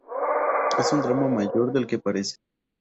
Es un drama mayor del que parece.